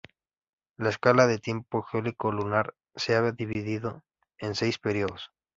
La escala de tiempo geológico lunar se ha dividido en seis periodos.